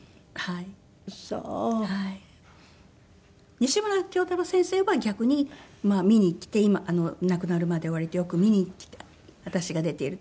西村京太郎先生は逆に見に来て亡くなるまで割とよく見に来た私が出ていると。